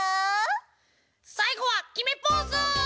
さいごはきめポーズ！